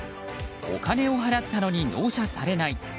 お金を払ったのに納車されない。